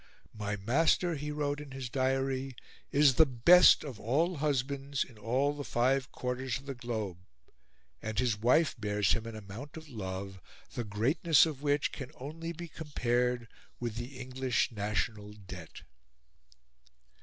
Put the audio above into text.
"My master," he wrote in his diary, "is the best of all husbands in all the five quarters of the globe; and his wife bears him an amount of love, the greatness of which can only be compared with the English national debt."